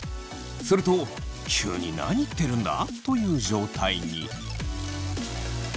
すると急に何言ってるんだ？という状態に。